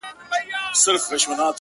زه به د درد يوه بې درده فلسفه بيان کړم;